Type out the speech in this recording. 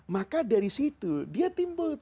maka dari situ dia timbul